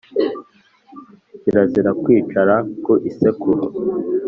kirazira kwicara ku isekuru